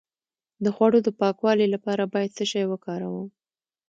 د خوړو د پاکوالي لپاره باید څه شی وکاروم؟